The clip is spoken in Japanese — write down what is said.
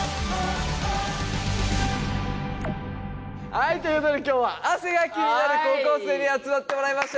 はいということで今日は汗が気になる高校生に集まってもらいました。